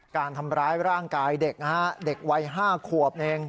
การทำร้ายร่างกายเด็กนะฮะเด็กวัย๕ขวบเอง